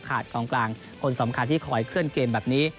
กองกลางคนสำคัญที่คอยเคลื่อนเกมแบบนี้